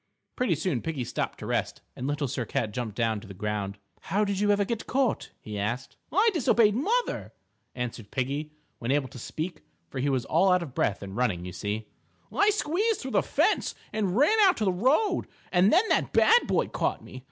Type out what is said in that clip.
Pretty soon Piggie stopped to rest, and Little Sir Cat jumped down to the ground. "How did you ever get caught?" he asked. "I disobeyed mother," answered Piggie when able to speak, for he was all out of breath with running, you see. "I squeezed through the fence and ran out to the road, and then that bad boy caught me.